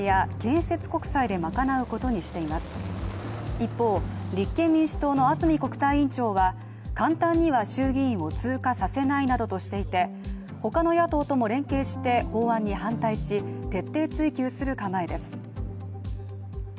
一方、立憲民主党の安住国対委員長は簡単には衆議院を通過させないなどとしていて、他の野党とも連携して法案に反対し徹底追及する構えです。